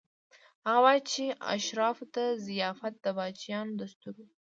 هغه وايي چې اشرافو ته ضیافت د پاچایانو دستور و.